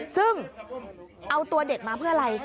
ซึ่งเอาตัวเด็กมาเพื่ออะไร